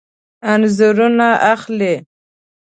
انځورونه اخلئ؟